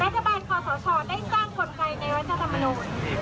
รัฐบาลคอสชได้สร้างคนไกลในวัฒนธรรมนุษย์